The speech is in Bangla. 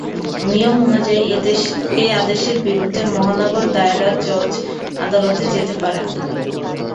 নিয়ম অনুযায়ী এ আদেশের বিরুদ্ধে মহানগর দায়রা জজ আদালতে যেতে পারেন।